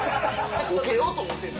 ウケようと思ってんの？